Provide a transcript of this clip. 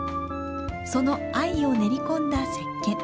その藍を練り込んだ石けん。